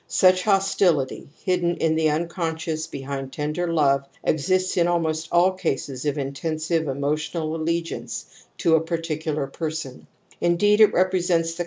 Such hostiUty, hidden in the unconscious behind tender love, exists in al most all cases of intensive emotional allegiance to a particular person, indeed it represents the